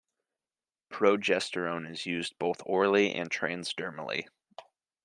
Progesterone is used both orally and transdermally.